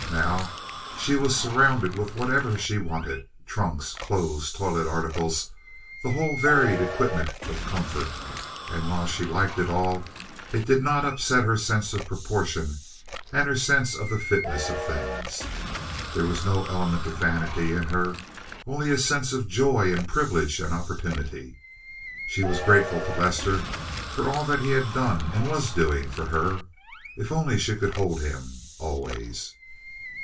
Now she was surrounded with whatever she wanted—trunks, clothes, toilet articles, the whole varied equipment of comfort—and while she liked it all, it did not upset her sense of proportion and her sense of the fitness of things. There was no element of vanity in her, only a sense of joy in privilege and opportunity. She was grateful to Lester for all that he had done and was doing for her. If only she could hold him—always!